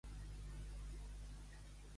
Què més es feia per la divinitat?